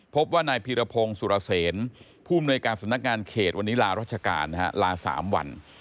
พบว่านายพีรพงศ์สุรเสนผู้มนวยการสำนักงานเขตวันนี้ลารัชการลา๓วัน